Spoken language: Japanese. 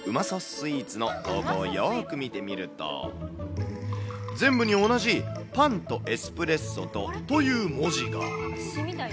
スイーツの投稿をよーく見てみると、全部に同じ、パンとエスプレッソと、という文字が。